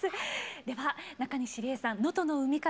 では中西りえさん「能登の海風」